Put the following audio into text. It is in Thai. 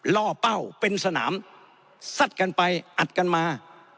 ล่อเป้าเป็นสนามซัดกันไปอัดกันมา